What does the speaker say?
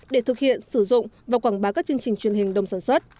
để thực hiện sử dụng và quảng bá các chương trình truyền hình đồng sản xuất